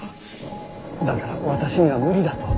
だから私には無理だと。